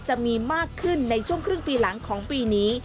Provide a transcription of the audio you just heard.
จะมีมากขึ้นในช่วงครึ่งปีหลังของปีนี้